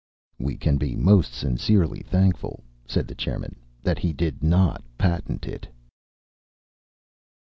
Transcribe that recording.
"We can be most sincerely thankful," said the chairman, "that he did not patent it."